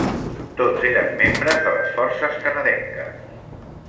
Tots eren membres de les Forces Canadenques.